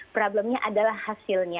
problemnya adalah hasilnya